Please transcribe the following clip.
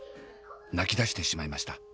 泣きだしてしまいました。